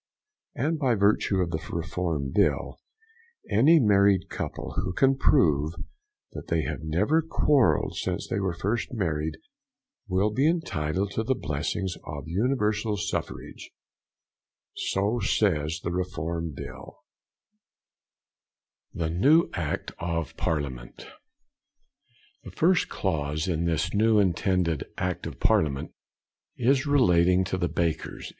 And by virtue of the Reform Bill, any married couple who can prove that they have never quarrelled since they were first married, will be entitled to the blessings of universal suffrage. So says the Reform Bill. HENRY DISLEY, Printer, 57, High Street, St. Giles. THE NEW ACT OF PARLIAMENT. The First Clause in this new intended Act of Parliament is relating to the Bakers.